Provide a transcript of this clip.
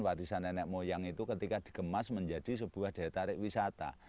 warisan nenek moyang itu ketika dikemas menjadi sebuah daya tarik wisata